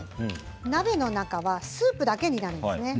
鍋の中はスープだけになりますね。